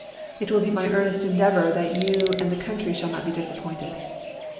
It will be my earnest endeavor that you and the country shall not be disappointed.